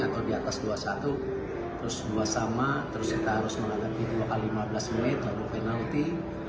atau di atas dua puluh satu terus dua sama terus kita harus menghadapi dua x lima belas menit lalu penalti